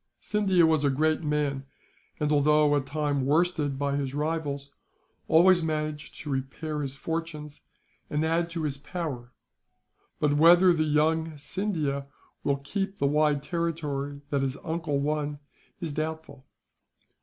Scindia was a great man and, although at times worsted by his rivals, always managed to repair his fortunes and to add to his power; but whether the young Scindia will keep the wide territory that his uncle won is doubtful.